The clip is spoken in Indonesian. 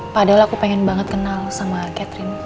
padahal aku pengen banget kenal sama catherine